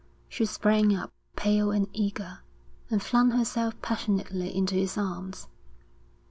She sprang up, pale and eager, and flung herself passionately into his arms.